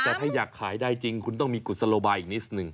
แต่ถ้าอยากขายได้จริงคุณต้องมีกุศโลบายอีกนิดนึง